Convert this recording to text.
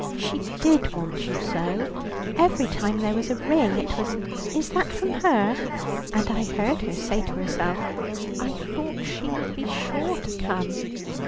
She did want you so; every time there was a ring it was, 'Is that from her?' and I heard her say to herself: 'I thought she would be sure to come.'